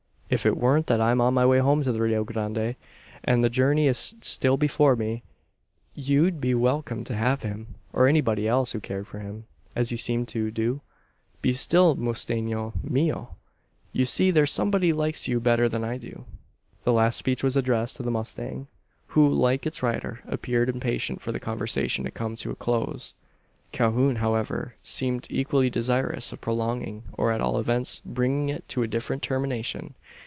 If it weren't that I'm on my way home to the Rio Grande, and the journey is still before me, you'd be welcome to have him, or anybody else who cared for him, as you seem to do. Be still, musteno mio! You see there's somebody likes you better than I do." The last speech was addressed to the mustang, who, like its rider, appeared impatient for the conversation to come to a close. Calhoun, however, seemed equally desirous of prolonging, or, at all events, bringing it to a different termination.